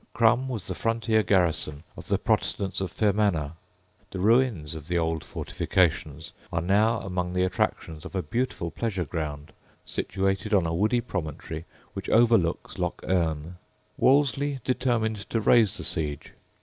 Crum was the frontier garrison of the Protestants of Fermanagh. The ruins of the old fortifications are now among the attractions of a beautiful pleasureground, situated on a woody promontory which overlooks Lough Erne. Wolseley determined to raise the siege.